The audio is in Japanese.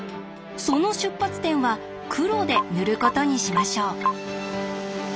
その出発点は黒で塗ることにしましょう。